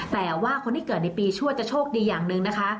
แต่ว่าคนที่เกิดในปีชั่วจะโชคดีอย่างหนึ่งนะคะ